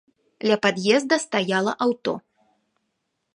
Ля пад'езда стаяла аўто.